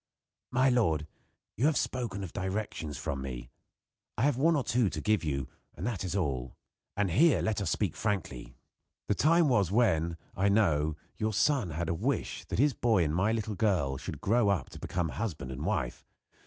"My lord, you have spoken of directions from me. I have one or two to give you, and that is all. And here let us speak frankly. The time was when, I know, your son had a wish that his boy and my little girl should grow up to become husband and wife.